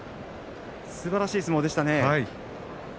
すばらしい相撲でした。